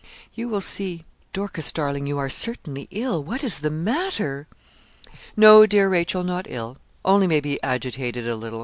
You will see.' 'Dorcas, darling, you are certainly ill. What is the matter?' 'No, dear Rachel, not ill, only maybe agitated a little.